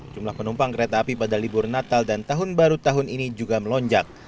jumlah penumpang kereta api pada libur natal dan tahun baru tahun ini juga melonjak